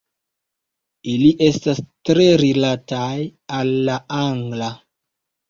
Ili estas tre rilataj al la angla.